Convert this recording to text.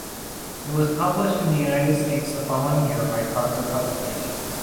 It was published in the United States the following year by Harper Publications.